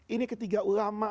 ini ketiga ulama